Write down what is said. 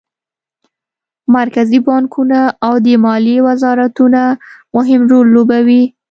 مرکزي بانکونه او د مالیې وزارتونه مهم رول لوبوي